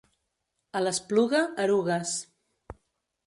A l'Espluga, erugues.